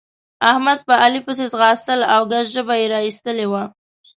احمد په علي پسې ځغستل او ګز ژبه يې را اېستلې وه.